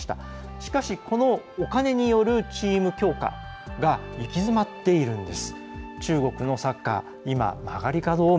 しかし、このお金によるチーム強化が行き詰まっているんです。